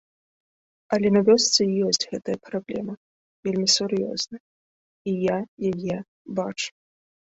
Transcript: Але на вёсцы ёсць гэтая праблема, вельмі сур'ёзная, і я яе бачу.